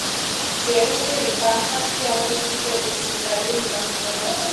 Cheupe ni bahati ya mwenzio usiilalie mlango wazi